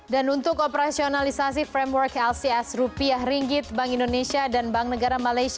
dan untuk operasionalisasi framework lcs rupiah ringgit bank indonesia dan bank negara malaysia